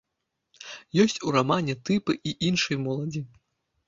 Ёсць у рамане тыпы і іншай моладзі.